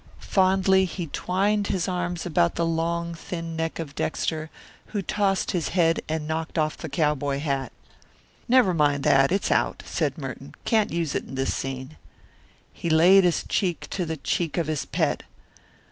Fondly he twined his arms about the long, thin neck of Dexter, who tossed his head and knocked off the cowboy hat. "Never mind that it's out," said Merton. "Can't use it in this scene." He laid his cheek to the cheek of his pet.